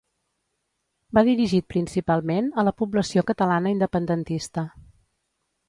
Va dirigit principalment a la població catalana independentista.